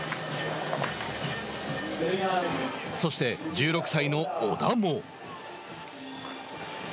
そして、１６歳の織田も。